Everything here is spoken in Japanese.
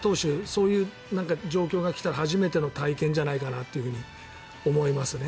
そういう状況が来たら初めての体験じゃないかなと思いますね。